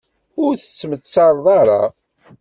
Ur tettmettareḍ ara.